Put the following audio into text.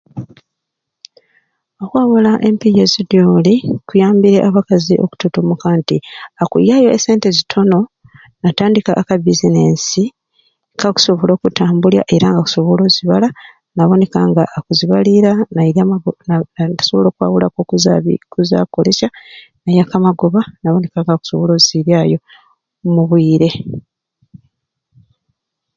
Okwewola empiya ezidyoli kuyambire abakazi okututumuka nti akuyayo esente zitono natandika aka bizinensi kakusobola okutambulya era nga akusobola ozibala naboneka nga akuzibalira nairya amago nasobola okwakuwulaku okuzabi okuzakolesya nayaku amagoba naboneka nga okusobola oziryayo omu bwiire.